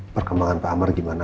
perkembangan pak amar gimana